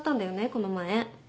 この前。